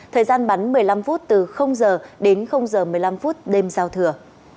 thời gian bắn một mươi năm phút từ giờ đến giờ một mươi năm phút đêm giao thừa